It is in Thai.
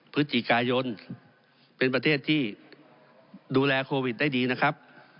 พฤศจิกายนเป็นประเทศที่ดูแลโควิดได้ดีนะครับ